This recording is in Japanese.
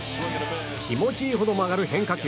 気持ちいいほど曲がる変化球。